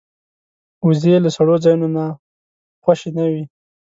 وزې له سړو ځایونو نه خوشې نه وي